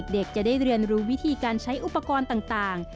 เด็กจะได้เรียนรู้วิธีการใช้อุปกรณ์ต่าง